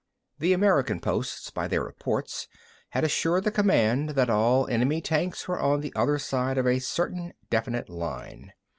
The American posts, by their reports, had assured the command that all enemy tanks were on the other side of a certain definite line.